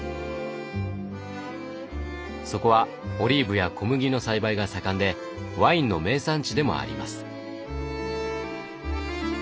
そこはオリーブや小麦の栽培が盛んでワインの名産地でもあります。